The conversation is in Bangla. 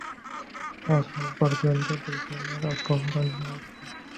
এখন পর্যন্ত দুজনের অপহরণ হয়েছে।